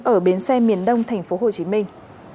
ở bến xe miền đông thành phố hồ chí minh